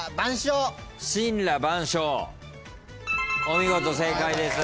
お見事正解です。